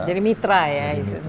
jadi mitra ya